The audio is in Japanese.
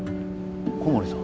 小森さん。